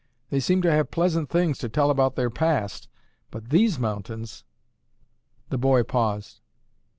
They seem to have pleasant things to tell about their past, but these mountains—" the boy paused.